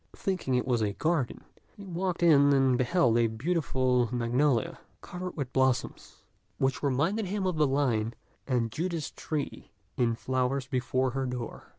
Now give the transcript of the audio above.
Thinking it was a garden, he walked in and beheld a beautiful magnolia, covered with blossoms, which reminded him of the line "And Judas tree in flower before her door."